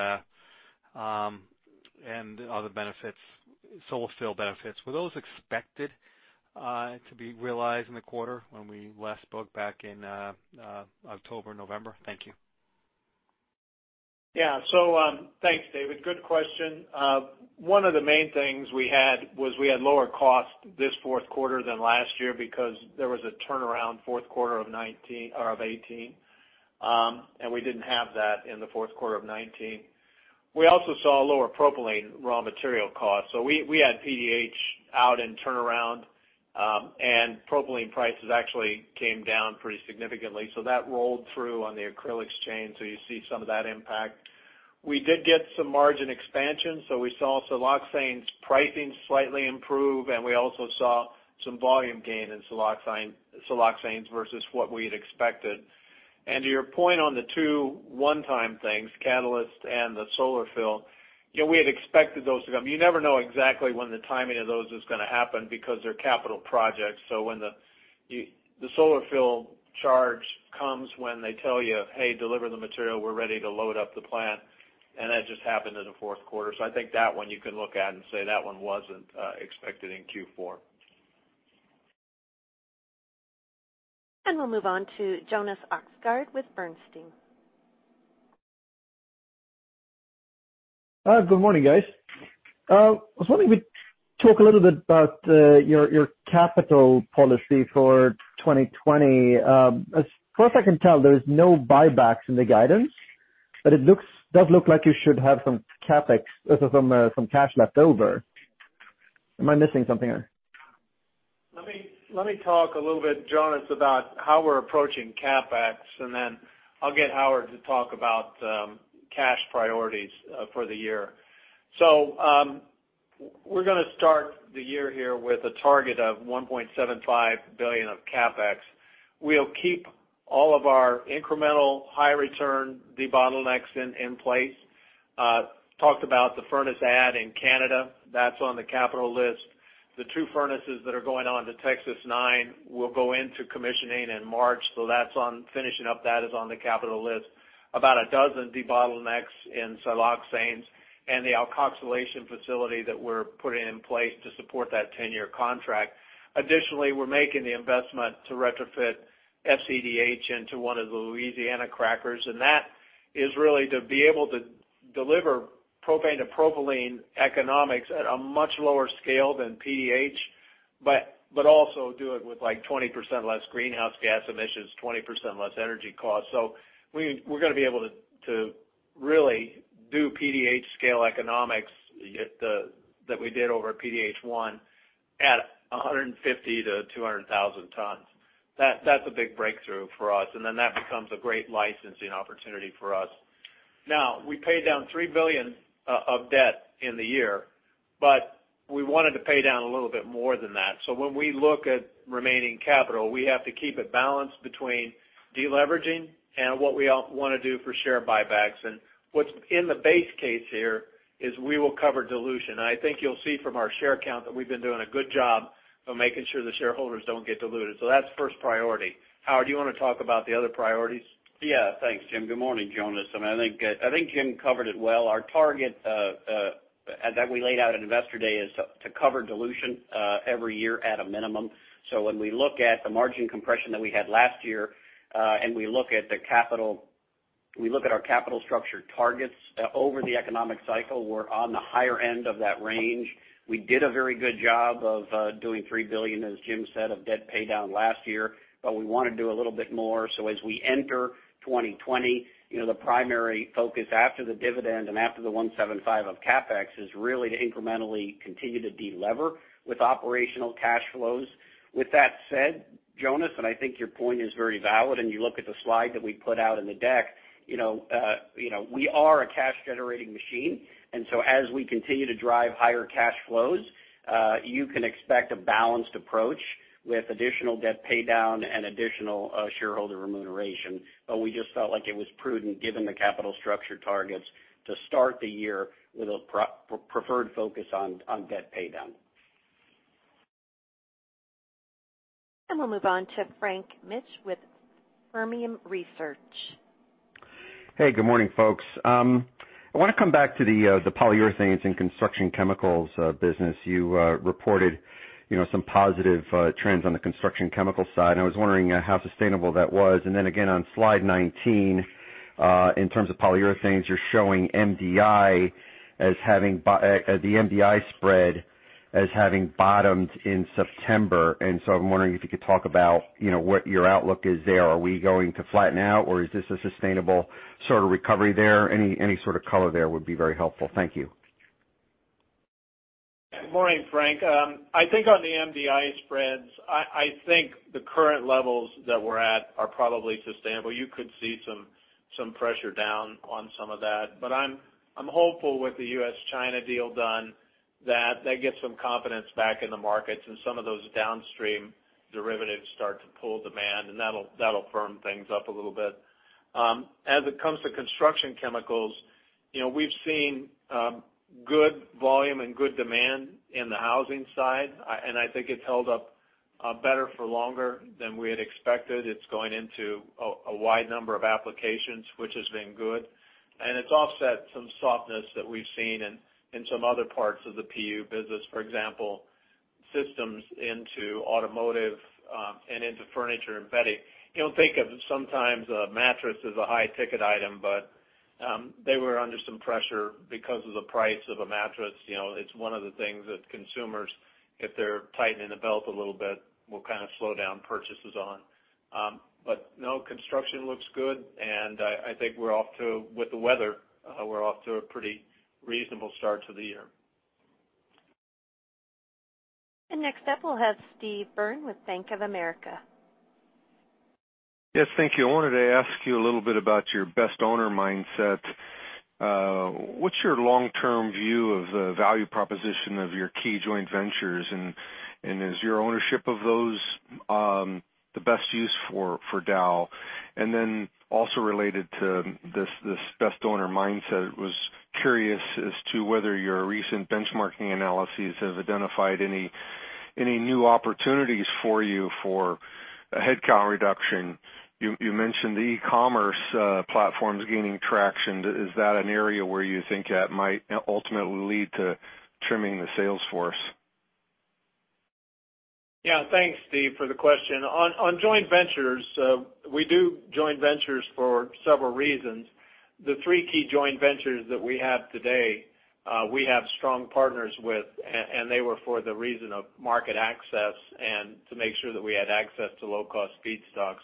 other solar fill benefits, were those expected to be realized in the quarter when we last spoke back in October, November? Thank you. Yeah. Thanks, David. Good question. One of the main things we had was we had lower cost this fourth quarter than last year because there was a turnaround fourth quarter of 2018. We didn't have that in the fourth quarter of 2019. We also saw lower propylene raw material costs. We had PDH out in turnaround, and propylene prices actually came down pretty significantly. That rolled through on the acrylics chain, you see some of that impact. We did get some margin expansion, we saw siloxanes pricing slightly improve, and we also saw some volume gain in siloxanes versus what we had expected. To your point on the two one-time things, catalyst and the solar fill, we had expected those to come. You never know exactly when the timing of those is going to happen because they're capital projects. When the solar fill charge comes when they tell you, "Hey, deliver the material, we're ready to load up the plant." That just happened in the fourth quarter. I think that one you can look at and say that one wasn't expected in Q4. We'll move on to Jonas Oxgaard with Bernstein. Good morning, guys. I was wondering if we could talk a little bit about your capital policy for 2020. As far as I can tell, there is no buybacks in the guidance, but it does look like you should have some cash left over. Am I missing something here? Let me talk a little bit, Jonas, about how we're approaching CapEx, and then I'll get Howard to talk about cash priorities for the year. We're going to start the year here with a target of $1.75 billion of CapEx. We'll keep all of our incremental high return debottlenecks in place. We talked about the furnace add in Canada. That's on the capital list. The two furnaces that are going on to Texas nine will go into commissioning in March, so finishing up that is on the capital list. About a dozen debottlenecks in siloxanes and the alkoxylation facility that we're putting in place to support that 10-year contract. We're making the investment to retrofit FCDH into one of the Louisiana crackers, that is really to be able to deliver propane to propylene economics at a much lower scale than PDH, also do it with 20% less greenhouse gas emissions, 20% less energy costs. We're going to be able to really do PDH scale economics that we did over at PDH-1 at 150,000-200,000 tons. That's a big breakthrough for us, that becomes a great licensing opportunity for us. We paid down $3 billion of debt in the year, we wanted to pay down a little bit more than that. When we look at remaining capital, we have to keep it balanced between deleveraging and what we want to do for share buybacks. What's in the base case here is we will cover dilution. I think you'll see from our share count that we've been doing a good job of making sure the shareholders don't get diluted. That's first priority. Howard, do you want to talk about the other priorities? Yeah. Thanks, Jim. Good morning, Jonas. I think Jim covered it well. Our target that we laid out at Investor Day is to cover dilution every year at a minimum. When we look at the margin compression that we had last year, and we look at our capital structure targets over the economic cycle. We're on the higher end of that range. We did a very good job of doing $3 billion, as Jim said, of debt paydown last year, but we want to do a little bit more. As we enter 2020, the primary focus after the dividend and after the $175 million of CapEx is really to incrementally continue to de-lever with operational cash flows. With that said, Jonas, and I think your point is very valid, and you look at the slide that we put out in the deck. We are a cash-generating machine. As we continue to drive higher cash flows, you can expect a balanced approach with additional debt paydown and additional shareholder remuneration. We just felt like it was prudent, given the capital structure targets, to start the year with a preferred focus on debt paydown. We'll move on to Frank Mitsch with Fermium Research. Hey, good morning, folks. I want to come back to the Polyurethanes & Construction Chemicals business. You reported some positive trends on the construction chemical side. I was wondering how sustainable that was. Again, on slide 19, in terms of polyurethanes, you're showing the MDI spread as having bottomed in September. I'm wondering if you could talk about what your outlook is there. Are we going to flatten out, or is this a sustainable sort of recovery there? Any sort of color there would be very helpful. Thank you. Good morning, Frank. On the MDI spreads, I think the current levels that we're at are probably sustainable. You could see some pressure down on some of that. I'm hopeful with the US-China deal done, that they get some confidence back in the markets and some of those downstream derivatives start to pull demand, and that'll firm things up a little bit. As it comes to construction chemicals, we've seen good volume and good demand in the housing side, and I think it's held up better for longer than we had expected. It's going into a wide number of applications, which has been good, and it's offset some softness that we've seen in some other parts of the PU business. For example, systems into automotive and into furniture and bedding. You don't think of sometimes a mattress as a high-ticket item, but they were under some pressure because of the price of a mattress. It's one of the things that consumers, if they're tightening the belt a little bit, will kind of slow down purchases on. No, construction looks good, and I think with the weather, we're off to a pretty reasonable start to the year. Next up, we'll have Steve Byrne with Bank of America. Yes, thank you. I wanted to ask you a little bit about your best owner mindset. What's your long-term view of the value proposition of your key joint ventures, and is your ownership of those the best use for Dow? Also related to this best owner mindset, was curious as to whether your recent benchmarking analyses have identified any new opportunities for you for a headcount reduction. You mentioned the e-commerce platforms gaining traction. Is that an area where you think that might ultimately lead to trimming the sales force? Yeah. Thanks, Steve, for the question. On joint ventures, we do joint ventures for several reasons. The three key joint ventures that we have today, we have strong partners with, and they were for the reason of market access and to make sure that we had access to low-cost feedstocks.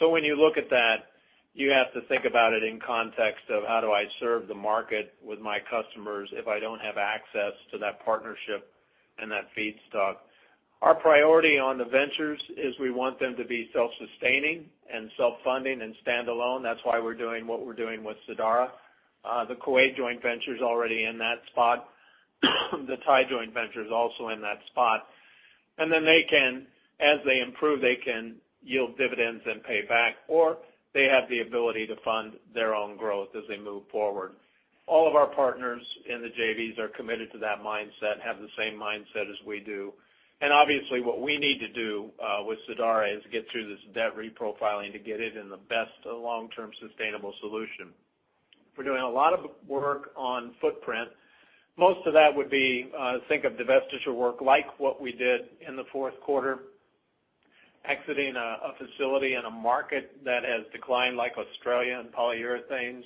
When you look at that, you have to think about it in context of how do I serve the market with my customers if I don't have access to that partnership and that feedstock? Our priority on the ventures is we want them to be self-sustaining and self-funding and standalone. That's why we're doing what we're doing with Sadara. The Kuwait joint venture's already in that spot. The Thai joint venture is also in that spot. As they improve, they can yield dividends and pay back, or they have the ability to fund their own growth as they move forward. All of our partners in the JVs are committed to that mindset and have the same mindset as we do. Obviously, what we need to do with Sadara is get through this debt reprofiling to get it in the best long-term sustainable solution. We're doing a lot of work on footprint. Most of that would be, think of divestiture work like what we did in the fourth quarter, exiting a facility in a market that has declined, like Australia and polyurethanes,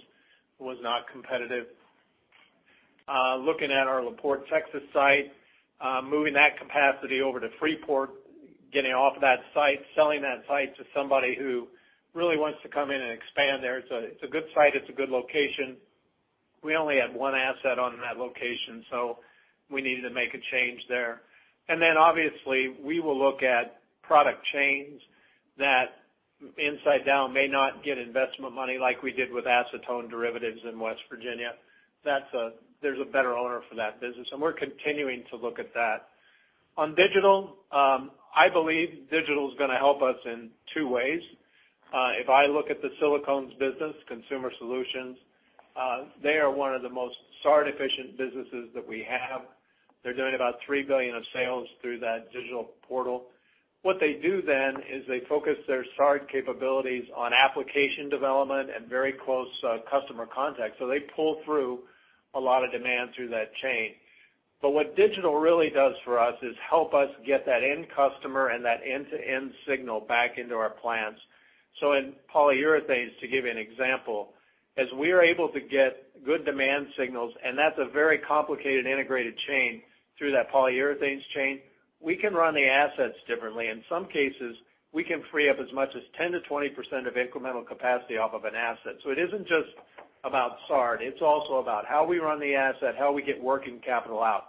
was not competitive. Looking at our La Porte Texas site, moving that capacity over to Freeport, getting off that site, selling that site to somebody who really wants to come in and expand there. It's a good site. It's a good location. We only had one asset on that location. We needed to make a change there. Obviously, we will look at product chains that inside Dow may not get investment money like we did with acetone derivatives in West Virginia. There's a better owner for that business, and we're continuing to look at that. On digital, I believe digital's going to help us in two ways. If I look at the silicones business, Consumer Solutions, they are one of the most SAR&D-efficient businesses that we have. They're doing about $3 billion of sales through that digital portal. What they do then is they focus their SAR&D capabilities on application development and very close customer contact. They pull through a lot of demand through that chain. What digital really does for us is help us get that end customer and that end-to-end signal back into our plans. In polyurethanes, to give you an example, as we are able to get good demand signals, and that's a very complicated integrated chain through that polyurethanes chain, we can run the assets differently. In some cases, we can free up as much as 10%-20% of incremental capacity off of an asset. It isn't just about SAR&D, it's also about how we run the asset, how we get working capital out.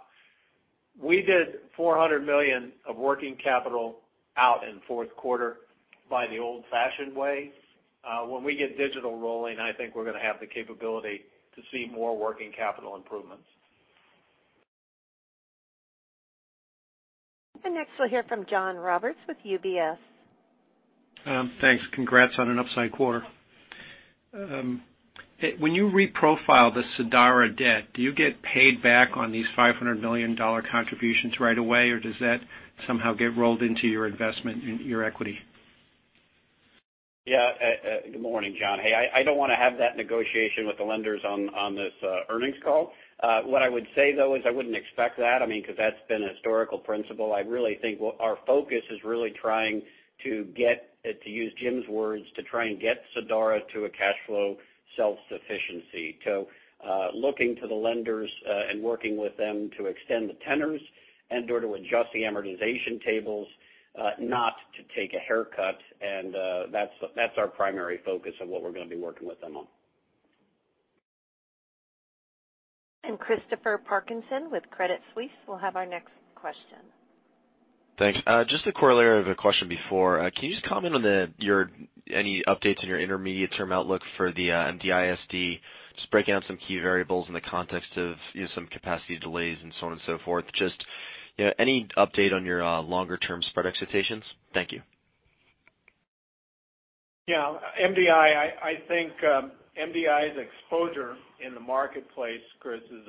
We did $400 million of working capital out in fourth quarter by the old-fashioned way. When we get digital rolling, I think we're going to have the capability to see more working capital improvements. Next we'll hear from John Roberts with UBS. Thanks. Congrats on an upside quarter. When you reprofile the Sadara debt, do you get paid back on these $500 million contributions right away, or does that somehow get rolled into your investment in your equity? Yeah. Good morning, John. Hey, I don't want to have that negotiation with the lenders on this earnings call. What I would say, though, is I wouldn't expect that because that's been a historical principle. I really think our focus is really trying to get, to use Jim's words, to try and get Sadara to a cash flow self-sufficiency. Looking to the lenders, and working with them to extend the tenors and or to adjust the amortization tables, not to take a haircut and that's our primary focus of what we're going to be working with them on. Christopher Parkinson with Credit Suisse will have our next question. Thanks. Just a corollary of the question before. Can you just comment on any updates on your intermediate term outlook for the MDI S&D? Just breaking out some key variables in the context of some capacity delays and so on and so forth. Just any update on your longer term spread expectations? Thank you. Yeah. MDI, I think MDI's exposure in the marketplace, Chris, is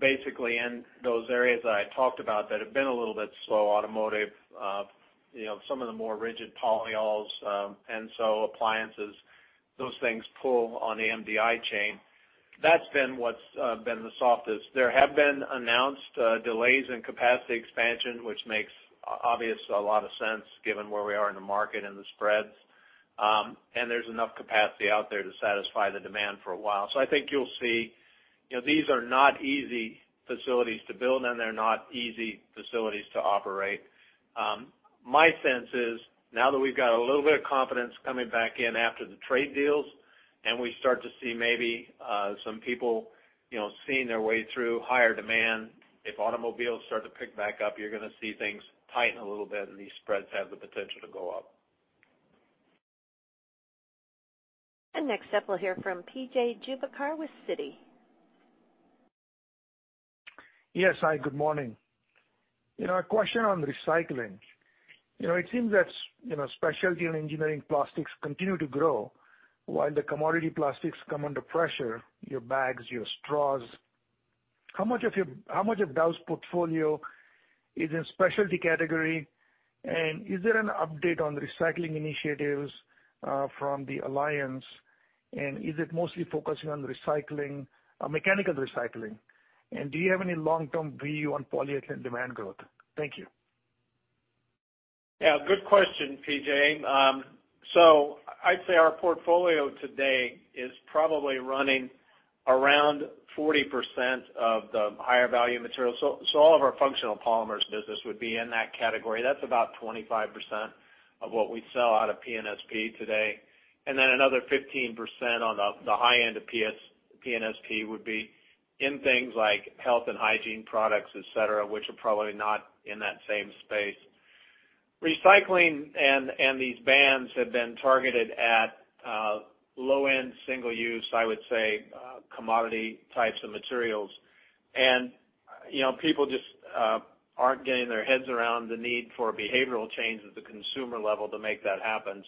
basically in those areas that I talked about that have been a little bit slow automotive. Some of the more rigid polyols and so appliances, those things pull on the MDI chain. That's been what's been the softest. There have been announced delays in capacity expansion, which makes obvious a lot of sense given where we are in the market and the spreads. There's enough capacity out there to satisfy the demand for a while. I think you'll see these are not easy facilities to build and they're not easy facilities to operate. My sense is now that we've got a little bit of confidence coming back in after the trade deals, and we start to see maybe some people seeing their way through higher demand. If automobiles start to pick back up, you're going to see things tighten a little bit and these spreads have the potential to go up. Next up we'll hear from P.J. Juvekar with Citi. Yes, hi, good morning. A question on recycling. It seems that specialty and engineering plastics continue to grow while the commodity plastics come under pressure, your bags, your straws. How much of Dow's portfolio is in specialty category, and is there an update on the recycling initiatives from the alliance, and is it mostly focusing on mechanical recycling? Do you have any long term view on polyethylene demand growth? Thank you. Good question, P.J. I'd say our portfolio today is probably running around 40% of the higher value material. All of our functional polymers business would be in that category. That's about 25% of what we sell out of P&SP today. Another 15% on the high end of P&SP would be in things like health and hygiene products, et cetera, which are probably not in that same space. Recycling and these bans have been targeted at low end, single use, I would say, commodity types of materials. People just aren't getting their heads around the need for behavioral change at the consumer level to make that happen.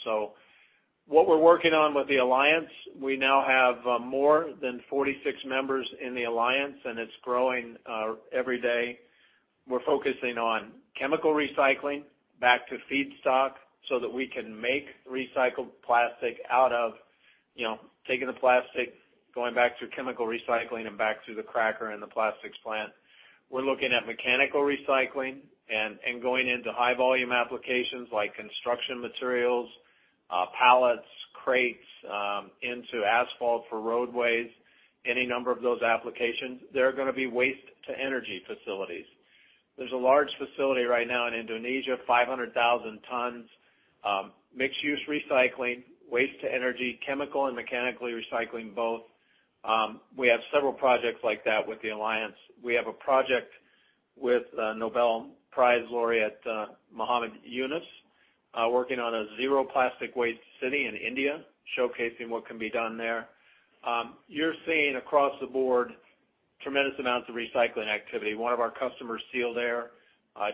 What we're working on with the alliance, we now have more than 46 members in the alliance, and it's growing every day. We're focusing on chemical recycling back to feedstock so that we can make recycled plastic out of taking the plastic, going back through chemical recycling and back to the cracker and the plastics plant. We're looking at mechanical recycling and going into high volume applications like construction materials, pallets, crates, into asphalt for roadways, any number of those applications. There are going to be waste to energy facilities. There's a large facility right now in Indonesia, 500,000 tons, mixed use recycling, waste to energy, chemical and mechanically recycling both. We have several projects like that with the alliance. We have a project with Nobel Prize laureate Muhammad Yunus, working on a zero plastic waste city in India, showcasing what can be done there. You're seeing across the board tremendous amounts of recycling activity. One of our customers, Sealed Air,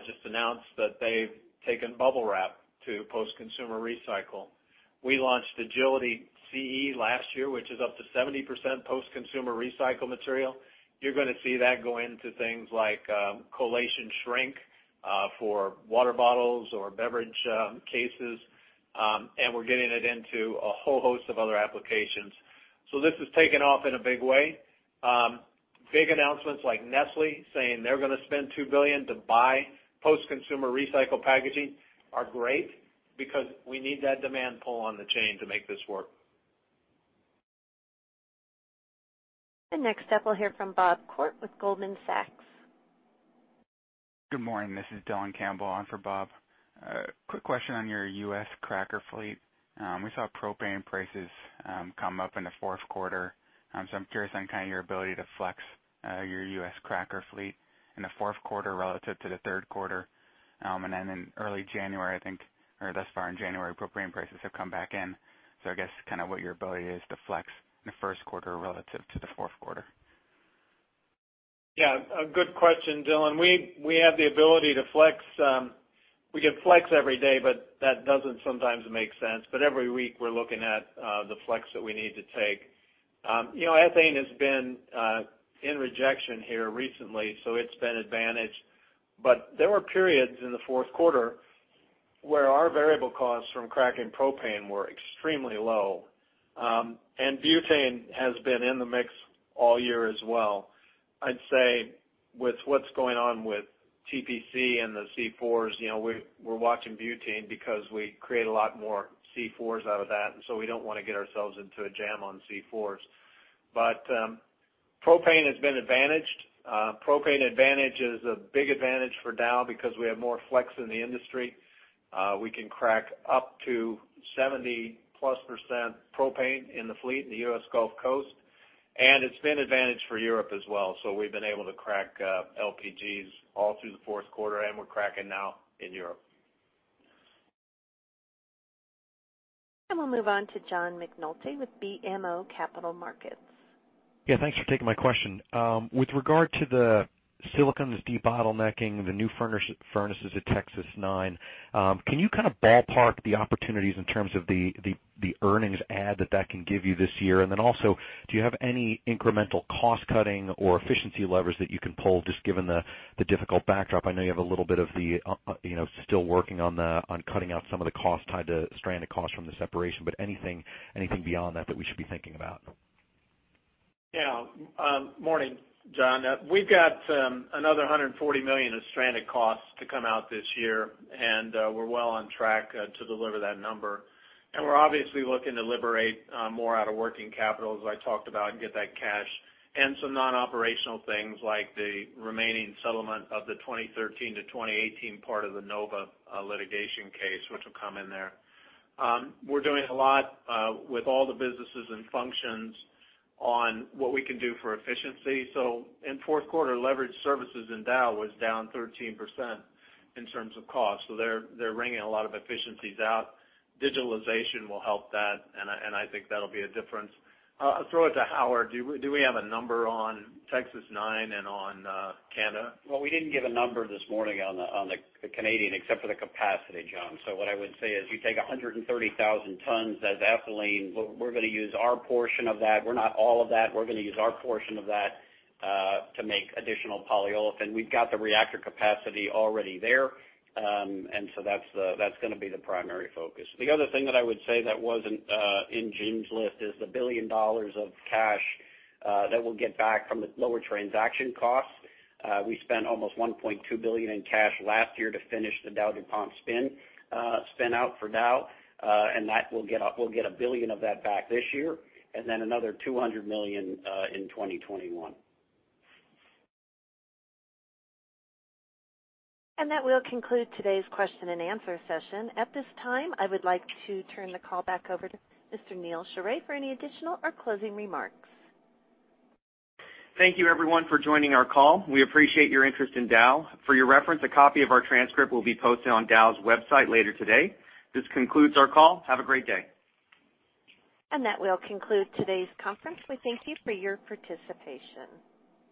just announced that they've taken BUBBLE WRAP to post-consumer recycle. We launched AGILITY CE last year, which is up to 70% post-consumer recycled material. You're going to see that go into things like collation shrink For water bottles or beverage cases, we're getting it into a whole host of other applications. This has taken off in a big way. Big announcements like Nestlé saying they're going to spend $2 billion to buy post-consumer recycled packaging are great because we need that demand pull on the chain to make this work. Next up, we'll hear from Bob Koort with Goldman Sachs. Good morning, this is Dylan Campbell on for Bob. Quick question on your U.S. cracker fleet. We saw propane prices come up in the fourth quarter. I'm curious on kind of your ability to flex your U.S. cracker fleet in the fourth quarter relative to the third quarter. Then in early January, I think, or thus far in January, propane prices have come back in. I guess kind of what your ability is to flex in the first quarter relative to the fourth quarter. Yeah, a good question, Dylan. We have the ability to flex. We can flex every day, that doesn't sometimes make sense. Every week, we're looking at the flex that we need to take. Ethane has been in rejection here recently, it's been advantaged. There were periods in the fourth quarter where our variable costs from cracking propane were extremely low. Butane has been in the mix all year as well. I'd say with what's going on with TPC and the C4s, we're watching butane because we create a lot more C4s out of that, we don't want to get ourselves into a jam on C4s. Propane has been advantaged. Propane advantage is a big advantage for Dow because we have more flex in the industry. We can crack up to 70-plus% propane in the fleet in the U.S. Gulf Coast, and it's been advantage for Europe as well. We've been able to crack LPGs all through the fourth quarter, and we're cracking now in Europe. We'll move on to John McNulty with BMO Capital Markets. Yeah, thanks for taking my question. With regard to the silicon, this debottlenecking, the new furnaces at Texas 9, can you kind of ballpark the opportunities in terms of the earnings add that can give you this year? Then also, do you have any incremental cost-cutting or efficiency levers that you can pull, just given the difficult backdrop? I know you have a little bit of the still working on cutting out some of the cost tied to stranded costs from the separation, anything beyond that we should be thinking about? Yeah. Morning, John. We've got another $140 million of stranded costs to come out this year, and we're well on track to deliver that number. We're obviously looking to liberate more out of working capital, as I talked about, and get that cash and some non-operational things like the remaining settlement of the 2013-2018 part of the Nova litigation case, which will come in there. We're doing a lot with all the businesses and functions on what we can do for efficiency. In fourth quarter, leveraged services in Dow was down 13% in terms of cost. They're wringing a lot of efficiencies out. Digitalization will help that, and I think that'll be a difference. I'll throw it to Howard. Do we have a number on Texas 9 and on Canada? Well, we didn't give a number this morning on the Canadian except for the capacity, John. What I would say is you take 130,000 tons as ethylene. We're not all of that. We're going to use our portion of that to make additional polyolefin. We've got the reactor capacity already there. That's going to be the primary focus. The other thing that I would say that wasn't in Jim's list is the $1 billion of cash that we'll get back from the lower transaction costs. We spent almost $1.2 billion in cash last year to finish the DowDuPont spin out for Dow. That we'll get $1 billion of that back this year and then another $200 million in 2021. That will conclude today's question and answer session. At this time, I would like to turn the call back over to Mr. Neal Sheorey for any additional or closing remarks. Thank you everyone for joining our call. We appreciate your interest in Dow. For your reference, a copy of our transcript will be posted on Dow's website later today. This concludes our call. Have a great day. That will conclude today's conference. We thank you for your participation.